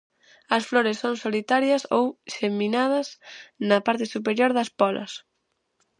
As flores son solitarias ou xeminadas na parte superior das pólas.